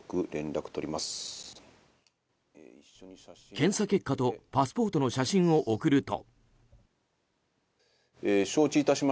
検査結果とパスポートの写真を送ると。